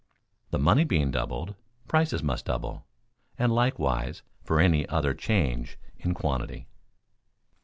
The money being doubled, prices must be double, and likewise for any other change in quantity.